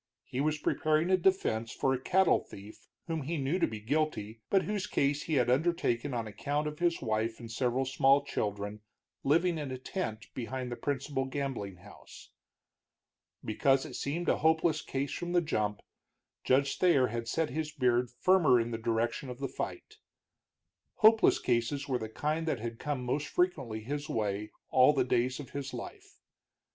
He was preparing a defense for a cattle thief whom he knew to be guilty, but whose case he had undertaken on account of his wife and several small children living in a tent behind the principal gambling house. Because it seemed a hopeless case from the jump, Judge Thayer had set his beard firmer in the direction of the fight. Hopeless cases were the kind that had come most frequently his way all the days of his life.